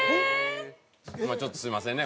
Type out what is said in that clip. ちょっとすみませんね